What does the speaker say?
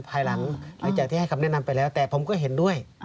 ภายหลังจากที่ให้คำแนะนำไปแล้วแต่ผมก็เห็นด้วย